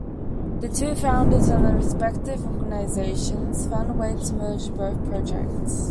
The two founders and the respective organizations found a way to merge both projects.